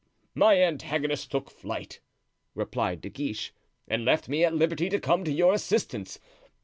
"My antagonist took flight," replied De Guiche "and left me at liberty to come to your assistance.